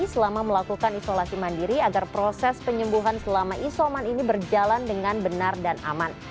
selama melakukan isolasi mandiri agar proses penyembuhan selama isoman ini berjalan dengan benar dan aman